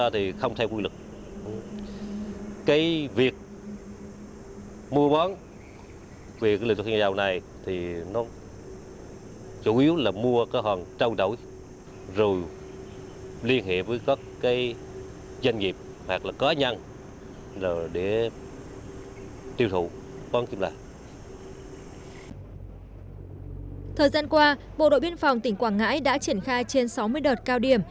thời gian qua bộ đội biên phòng tỉnh quảng ngãi đã triển khai trên sáu mươi đợt cao điểm